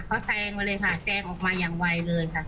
เขาแซงมาเลยค่ะแซงออกมาอย่างไวเลยค่ะ